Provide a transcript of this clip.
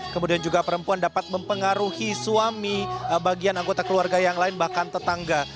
kemudian juga perempuan dapat mempengaruhi suami bagian anggota keluarga yang lain bahkan tetangga